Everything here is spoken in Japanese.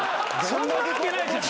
そんなわけないじゃん。